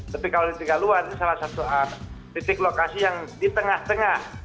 tapi kalau di tiga luar salah satu titik lokasi yang di tengah tengah